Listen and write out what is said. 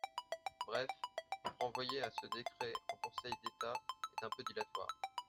Bref, renvoyer à ce décret en Conseil d’État est un peu dilatoire.